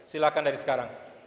silahkan dari sekarang